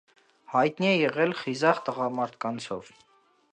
Հայտնի է եղել խիզախ տղամարդկանցով։